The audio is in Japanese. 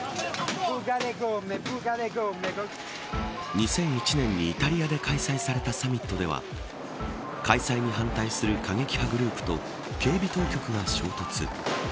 ２００１年にイタリアで開催されたサミットでは開催に反対する過激派グループと警備当局が衝突。